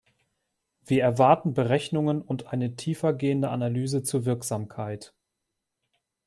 Wir erwarten Berechnungen und eine tiefergehende Analyse zur Wirksamkeit.